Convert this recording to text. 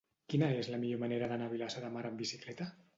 Quina és la millor manera d'anar a Vilassar de Mar amb bicicleta?